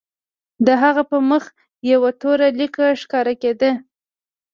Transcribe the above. د هغه په مخ یوه توره لیکه ښکاره کېده